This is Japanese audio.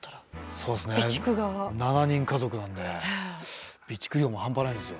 そうですね７人家族なんで備蓄量も半端ないんですよ。